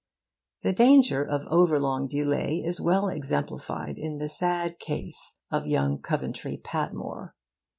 The danger of over long delay is well exemplified in the sad case of young Coventry Patmore.